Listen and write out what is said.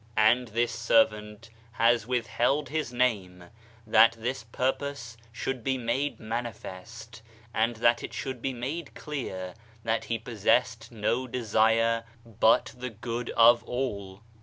And this servant has withheld his name that this purpose should be made manifest, and that it should be made clear that he possessed no desire but the good of all.